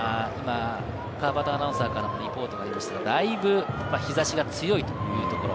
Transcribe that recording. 川畑アナウンサーからのリポートもありましたが、だいぶ日差しが強いというところ。